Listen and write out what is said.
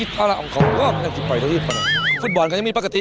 ทำไมมันได้หลายใบ